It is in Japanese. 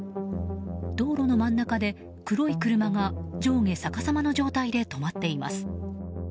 道路の真ん中で黒い車が上下逆さまの状態で止まっています。